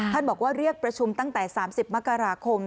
บอกว่าเรียกประชุมตั้งแต่๓๐มกราคม